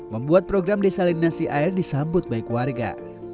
membuat program desalinasi air disambut baik warga